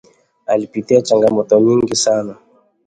Alipitia changamoto nyingi sana